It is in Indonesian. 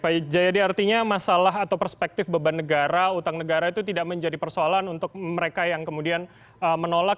pak jayadi artinya masalah atau perspektif beban negara utang negara itu tidak menjadi persoalan untuk mereka yang kemudian menolak